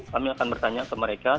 kami akan bertanya ke mereka